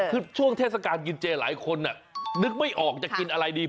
คือช่วงเทศกาลกินเจหลายคนนึกไม่ออกจะกินอะไรดี